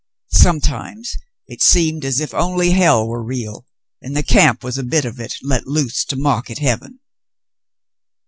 Sometimes it seemed as if only hell were real, and the camp was a bit of it let loose to mock at heaven."